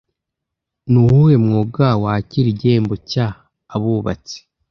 Ni uwuhe mwuga wakira igihembo cya Abubatsi